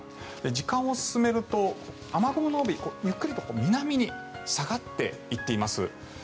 時間を進めると雨雲の帯はゆっくりと南に下がっていっています。